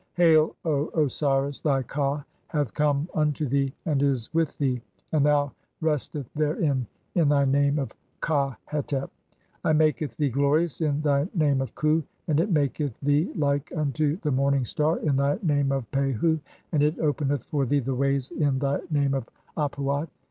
Hail, O Osiris, (6) thy ka hath "come unto thee and is with thee, and thou restest therein in "thy name of Ka Hetep, I maketh thee glorious in thy name "of Khu, and it maketh thee like unto the Morning Star in thy "name of Pehu, and it openeth for thee (7) the ways in thy "name of Ap uat.